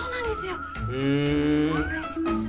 よろしくお願いします。